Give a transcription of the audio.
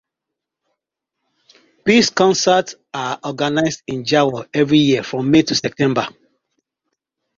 Peace Concerts are organised in Jawor every year from May to September.